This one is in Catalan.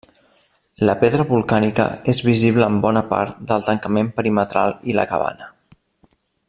La pedra volcànica és visible en bona part del tancament perimetral i la cabana.